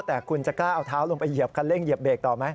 แต่คุณจะกล้าเอาเท้าลงไปเหยียบคันเร่งเหยียบเบรกต่อไหม